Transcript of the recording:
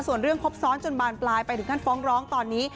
ส่วนเรื่องครบซ้อนจนบานปลายไปถึงท่านฟ้องร้องตอนนี้